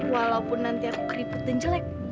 walaupun nanti aku keriput dan jelek